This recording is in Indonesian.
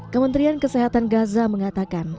kementerian kesehatan gaza mengatakan